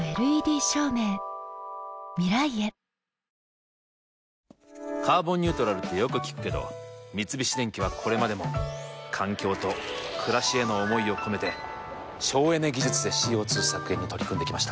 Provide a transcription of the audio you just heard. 三菱電機「カーボンニュートラル」ってよく聞くけど三菱電機はこれまでも環境と暮らしへの思いを込めて省エネ技術でＣＯ２削減に取り組んできました。